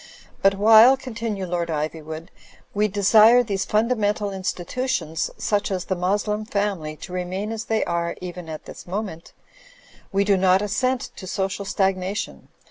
'* "But while,*' continued Lord Ivywood, "we desire these fundamental institutions, such as the Moslem family, to remain as they are even at this moment, wie do not assent to social stagnation.